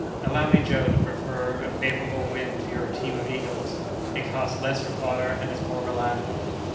"Allow me, Joe, to prefer a favorable wind to your team of eagles. It costs less for fodder, and is more reliable."